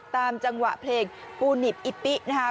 ตามจังหวะเพลงปูนิบอิปินะครับ